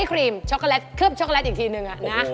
ไส้ครีมช็อคโกแลตเคลือบช็อคโกแลตอีกทีหนึ่งนะ